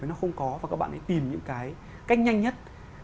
nó không có và các bạn hãy tìm những cái cách nhanh nhất